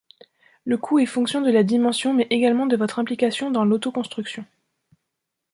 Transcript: Le coût est fonction de la dimension mais également de votre implication dans l’autoconstruction.